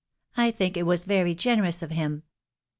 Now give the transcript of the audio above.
I think it was very generous of him."